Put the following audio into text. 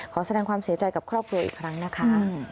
ขอแสดงความเสียใจกับครอบครัวอีกครั้งนะคะ